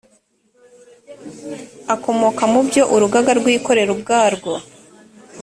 akomoka mu byo urugaga rwikorera ubwarwo